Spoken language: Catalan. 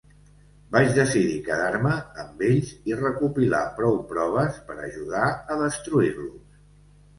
Vaig decidir quedar-me amb ells i recopilar prou proves per ajudar a destruir-los.